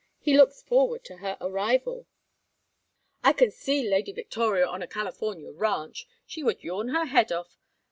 He looks forward to her arrival " "I can see Lady Victoria on a California ranch! She would yawn her head off.